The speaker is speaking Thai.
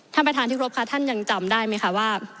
ท่านประธานที่ครบค่ะท่านยังจำได้ไหมคะว่า